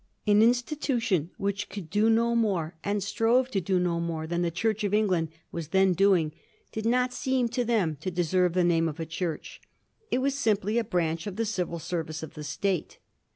An insti tution which could do no more and strove to do no more than the Church of England was then doing did not seem to them to deserve the name of a Church. It was simply a branch of the Civil Service of the State.